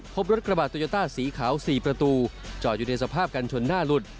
พบรถกระบาดโตโยต้าสีขาว๔ประตูจอดอยู่ในสภาพกันชนหน้าหลุด